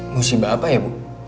musibah apa ya bu